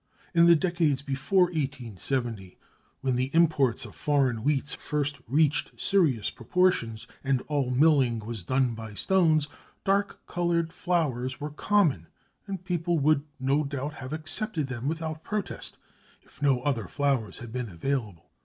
In the decades before 1870 when the imports of foreign wheats first reached serious proportions, and all milling was done by stones, dark coloured flours were common, and people would no doubt have accepted them without protest, if no other flours had been available.